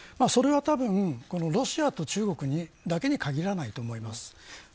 それは多分、ロシアと中国だけに限らないと思います。